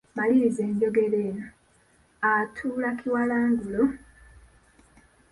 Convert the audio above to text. Maliriza enjogera eno: Atuula kiwalangulo …